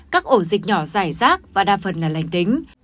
các ổ dịch nhỏ dài rác và đa phần là lành tính